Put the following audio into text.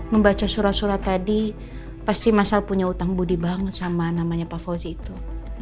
membaca surat surat tadi pasti masal punya utang budi banget sama namanya pak fauzi itu